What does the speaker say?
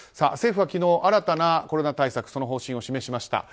政府は昨日、新たなコロナ対策の方針を示しました。